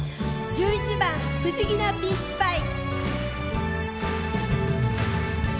１１番「不思議なピーチパイ」。